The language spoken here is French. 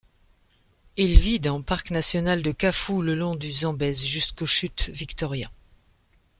Il vit dans parc national de Kafue, le long du Zambèze jusqu'aux chutes Victoria.